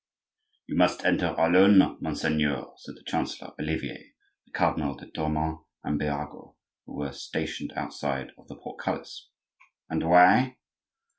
"You must enter alone, monseigneur," said the Chancellor Olivier, the Cardinal de Tournon, and Birago, who were stationed outside of the portcullis. "And why?"